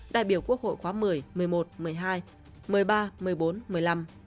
đại biểu quốc hội khóa một mươi một mươi một một mươi hai một mươi ba một mươi bốn một mươi năm